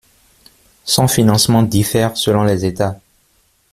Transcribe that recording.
Son financement diffère selon les États.